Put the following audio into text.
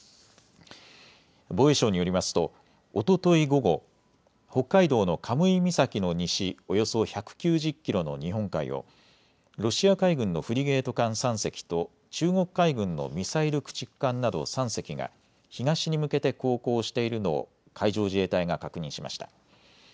防衛省によりますとおととい午後、北海道の神威岬の西およそ１９０キロの日本海をロシア海軍のフリゲート艦３隻と中国海軍のミサイル駆逐艦など３隻が東に向けて航行しているのを海上自衛隊が確認しました。